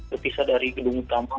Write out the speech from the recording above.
dipisah dari gedung utama